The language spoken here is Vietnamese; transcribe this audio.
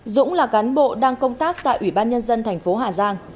dũng là cán bộ đang công tác tại ủy ban nhân dân thành phố hà giang